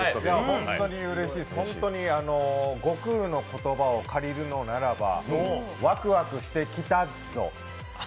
本当にうれしいです、本当に悟空の言葉を借りるのならばワクワクしてきたっぞと。